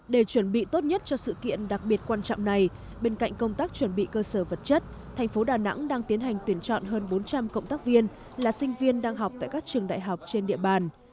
để chuẩn bị tốt nhất cho sự kiện đặc biệt quan trọng này bên cạnh công tác chuẩn bị cơ sở vật chất thành phố đà nẵng đang tiến hành tuyển chọn hơn bốn trăm linh cộng tác viên là sinh viên đang học tại các trường đại học trên địa bàn